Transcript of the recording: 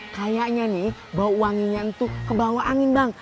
kayaknya nih bau wanginya untuk kebawa angin bang